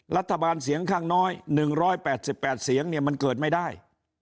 รัฐบาลเสียงข้างน้อย๑๘๘เสียงเนี่ยมันเกิดไม่ได้